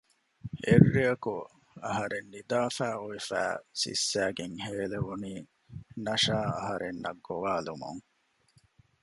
އެއްރެއަކު އަހަރެން ނިދާފައި އޮވެފައި ސިއްސައިގެން ހޭލެވުނީ ނަޝާ އަހަރެންނަށް ގޮވާލުމުން